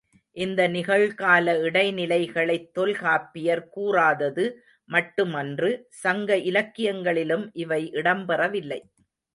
இந்த நிகழ்கால இடைநிலைகளைத் தொல்காப்பியர் கூறாதது மட்டுமன்று சங்க இலக்கியங்களிலும் இவை இடம்பெறவில்லை.